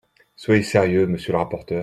Soyez sérieux, monsieur le rapporteur.